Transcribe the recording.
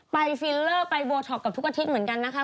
ฟิลเลอร์ไปโบท็อกกับทุกอาทิตย์เหมือนกันนะคะ